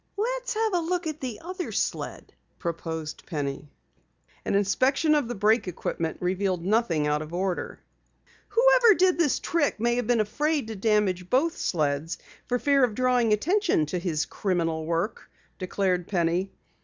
"Let's have a look at the other sled," proposed Penny. An inspection of the brake equipment revealed nothing out of order. "Whoever did the trick may have been afraid to damage both sleds for fear of drawing attention to his criminal work," declared Penny.